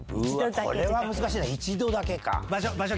これは難しいな一度だけか。